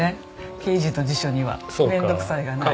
啓二の辞書には「面倒くさい」がない。